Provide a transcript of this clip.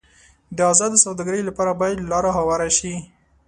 د ازادې سوداګرۍ لپاره باید لار هواره شي.